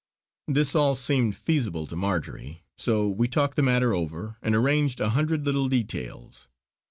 This all seemed feasible to Marjory; so we talked the matter over and arranged a hundred little details.